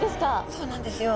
そうなんですよ。